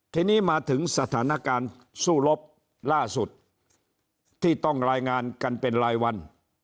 ทีนี้มาถึงสถานการณ์สู้รบล่าสุดที่ต้องรายงานกันเป็นรายวัน